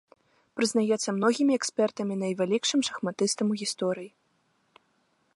Прызнаецца многімі экспертамі найвялікшым шахматыстам ў гісторыі.